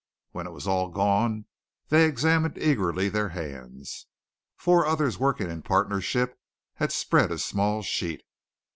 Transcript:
When it was all gone, they examined eagerly their hands. Four others working in partnership had spread a small sheet.